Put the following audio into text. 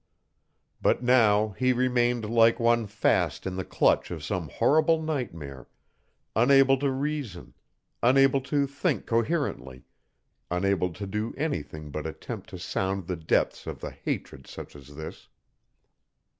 But now he remained like one fast in the clutch of some horrible nightmare, unable to reason, unable to think coherently, unable to do anything but attempt to sound the depths of a hatred such as this.